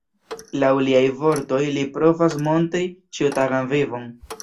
Laŭ liaj vortoj li provas montri ĉiutagan vivon.